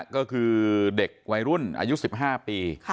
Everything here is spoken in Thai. ก็คือเด็กวัยรุ่นอายุ๑๕ปี